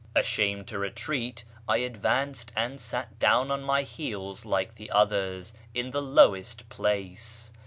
Ashamed to retreat, I advanced and sat down on my heels like the others in the lowest place.